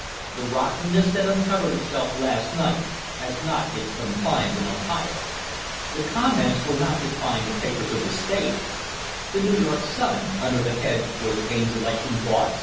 The rottenness that uncovered itself last night has not its confines in Ohio." The comments were not confined to papers of the state. The New York Sun, under the head "Was Payne's Election Bought?"